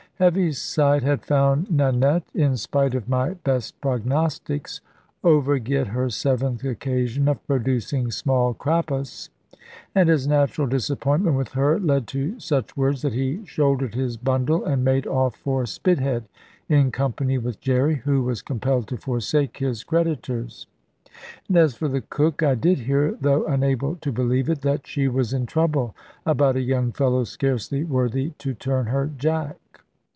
Heaviside had found Nanette (in spite of my best prognostics) overget her seventh occasion of producing small Crappos, and his natural disappointment with her led to such words that he shouldered his bundle and made off for Spithead, in company with Jerry, who was compelled to forsake his creditors. And as for the cook, I did hear, though unable to believe it, that she was in trouble about a young fellow scarcely worthy to turn her jack.